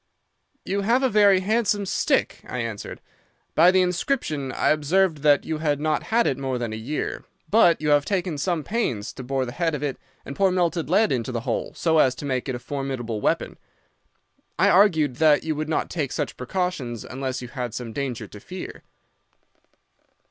"'You have a very handsome stick,' I answered. 'By the inscription I observed that you had not had it more than a year. But you have taken some pains to bore the head of it and pour melted lead into the hole so as to make it a formidable weapon. I argued that you would not take such precautions unless you had some danger to fear.